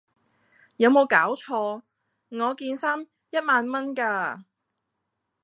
有沒有搞錯!我件衫一萬蚊架